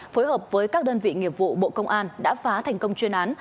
phối hợp với các đơn vị nghiệp vụ bộ công an đã phá thành công chuyên án